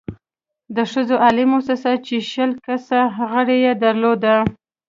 د ښځو عالي مؤسسه چې شل کسه غړې يې درلودل،